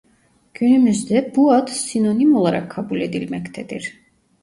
Günümüzde bu ad sinonim olarak kabul edilmektedir.